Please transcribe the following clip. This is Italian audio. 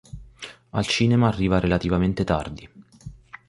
Al cinema arriva relativamente tardi.